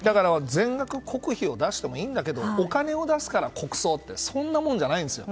全額国費を出してもいいけどお金を出すから国葬ってそんなもんじゃないんですよ。